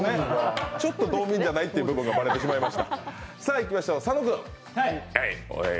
ちょっと道民じゃない部分がバレてしまいました。